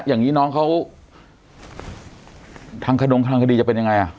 อย่างนี้น้องเขาทางขนงทางคดีจะเป็นยังไงอ่ะ